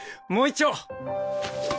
もう一丁！